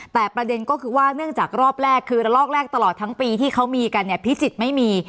แต่ประเด็นก็คือว่าเนื่องจากรอบแรกคือระลอกแรกตลอดทั้งปีที่เขามีกันเนี่ยพิจิตรไม่มี